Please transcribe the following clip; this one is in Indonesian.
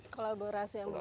kolaborasi yang bagus juga